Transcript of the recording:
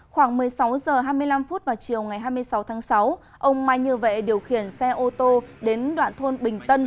khoảng một mươi sáu h hai mươi năm vào chiều ngày hai mươi sáu tháng sáu ông mai như vệ điều khiển xe ô tô đến đoạn thôn bình tân